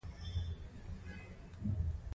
ددې پیښو لاملونه بیلابیل دي.